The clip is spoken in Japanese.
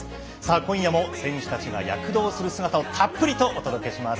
今夜も選手たちが躍動する姿をたっぷりとお届けします。